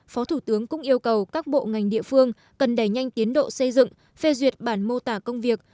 phó thủ tướng cũng yêu cầu các bộ ngành địa phương cần đẩy nhanh tiến độ xây dựng phê duyệt bản mô tả công việc